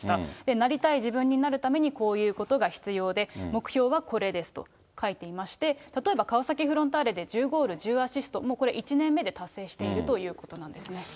なりたい自分になるためにこういうことが必要で、目標はこれですと書いていまして、例えば川崎フロンターレで１０ゴール１０アシスト、これ１年目で達成しているということなんですね。